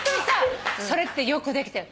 それってよくできてる。